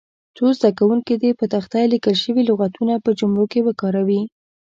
څو زده کوونکي دې پر تخته لیکل شوي لغتونه په جملو کې وکاروي.